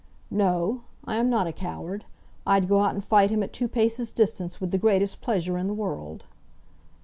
"No; I am not a coward. I'd go out and fight him at two paces' distance with the greatest pleasure in the world."